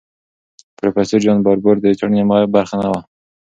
پروفیسور جان باربور د څېړنې برخه نه وه.